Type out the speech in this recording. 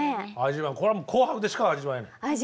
これはもう「紅白」でしか味わえない。